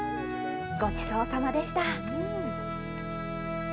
ごちそうさまでした。